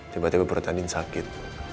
tiba tiba perut andin sakit